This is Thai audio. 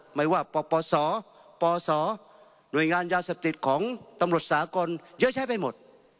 ไม่ว่าปปศปศหน่วยงานยาเสพติดของตำรวจสากลเยอะแยะไปหมด